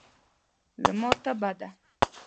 زما تبه ده.